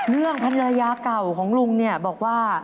เรื่องธรรยาเก่าของลุงบอกว่า